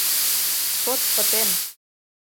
Шот пытен!